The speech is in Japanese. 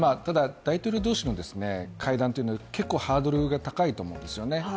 大統領同士の会談というのは結構ハードルが高いと思うんです。